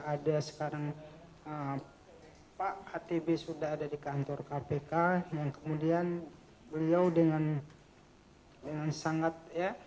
ada sekarang pak atb sudah ada di kantor kpk yang kemudian beliau dengan sangat ya